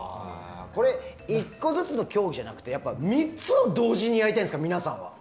１個ずつの競技じゃなくて３つを同時にやりたいんですか？